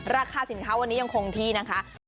ราคาสินค้าวันนี้ยังคงที่นะคะ